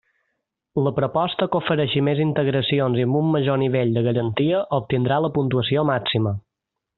La proposta que ofereixi més integracions i amb un major nivell de garantia obtindrà la puntuació màxima.